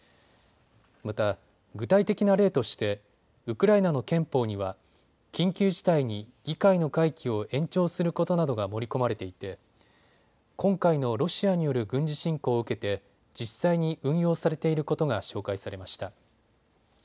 また、具体的な例としてウクライナの憲法には緊急事態に議会の会期を延長することなどが盛り込まれていて今回のロシアによる軍事侵攻を受けて実際に運用されていることが紹介されました。